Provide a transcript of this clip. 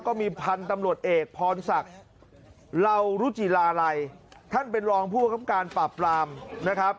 ก็มีพันธุ์ตำลวดเอกพรสักเรารุจิลาไรท่านเป็นรองผู้คำการปราบปรามนะครับ